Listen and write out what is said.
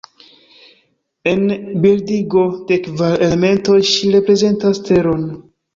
En bildigo de Kvar elementoj ŝi reprezentas Teron.